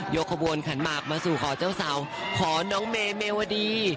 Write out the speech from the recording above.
กระบวนขันหมากมาสู่ขอเจ้าสาวขอน้องเมวดี